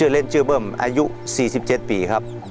เล่นชื่อเบิ้มอายุ๔๗ปีครับ